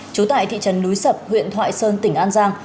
chú tại thị trần núi sập huyện thoại sơn tỉnh an giang